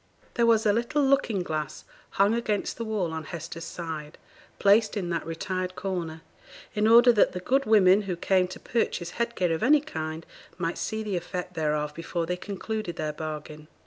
There was a little looking glass hung against the wall on Hester's side, placed in that retired corner, in order that the good women who came to purchase head gear of any kind might see the effect thereof before they concluded their bargain.